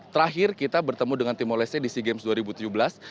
terakhir kita bertemu dengan timor leste di sea games dua ribu tujuh belas